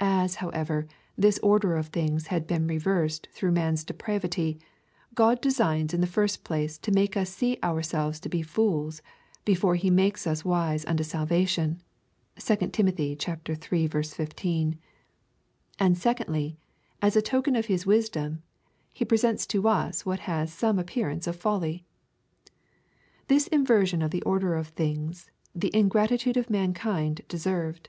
As, however, this order of things has been reversed through man's depravity, God designs in the first place to make us see ourselves to be fools, before he makes us luise unto salvation, (2 Tim. iii. 15 ;) and secondly, as a token of his wisdom, he presents to us what has some ap pearance of folly. This inversion of the order of things the ingratitude of mankind deserved.